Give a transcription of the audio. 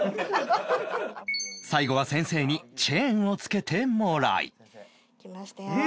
最後は先生にチェーンを付けてもらいできましたよ。